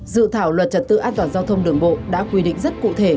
dự thảo luật trật tự an toàn giao thông đường bộ đã quy định rất cụ thể